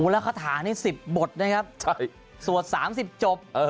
แล้วคาถานี้๑๐บทนะครับสวด๓๐จบ